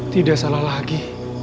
tidak salah lagi